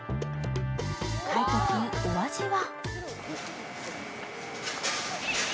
海音君、お味は？